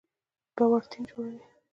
باور ټیم جوړوي